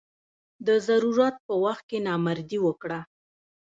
د ضرورت په وخت کې نامردي وکړه.